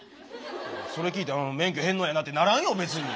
それ聞いて「免許返納やな」ってならんよ別に。